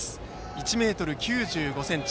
１ｍ９５ｃｍ。